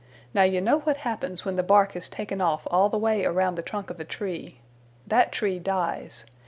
Now you know what happens when the bark is taken off all the way around the trunk of a tree. That tree dies.